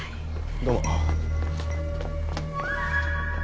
どうも。